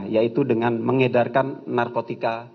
yaitu dengan mengedarkan narkotika